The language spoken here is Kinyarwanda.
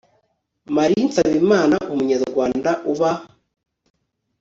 marie nsabimana umunyarwanda uba